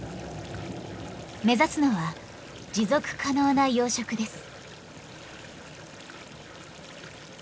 目指すのは持続可能な養殖です。